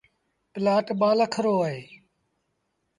پلآٽ ٻآ لک رو اهي۔